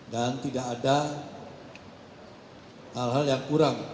dan tidak ada hal hal yang kurang